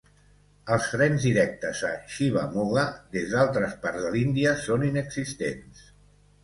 Els trens directes a Shivamogga des d'altres parts de l'Índia són inexistents.